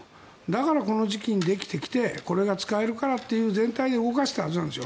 だからこの時期にできてきてこれが使えるからという全体で動かしてきたはずなんです